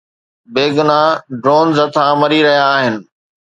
بيگناهه ڊرونز هٿان مري رهيا آهن.